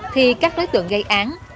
thì các đối tượng gây án